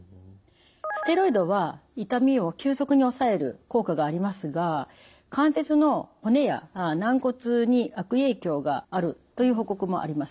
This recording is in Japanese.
ステロイドは痛みを急速におさえる効果がありますが関節の骨や軟骨に悪影響があるという報告もあります。